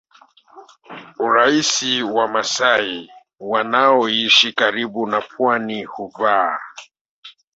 urahisi Wamasai wanaoishi karibu na pwani huvaa